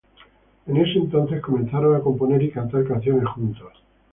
En ese entonces comenzaron a componer y cantar canciones juntos.